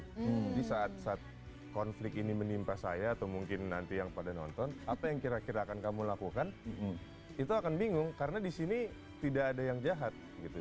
saat saat konflik ini menimpa saya atau mungkin nanti yang pada nonton apa yang kira kira akan kamu lakukan itu akan bingung karena di sini tidak ada yang jahat gitu